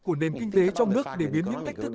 của nền kinh tế trong nước để biến những thách thức